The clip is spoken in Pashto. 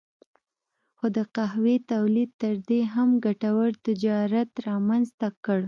خو د قهوې تولید تر دې هم ګټور تجارت رامنځته کړ.